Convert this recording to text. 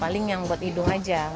paling yang buat hidung aja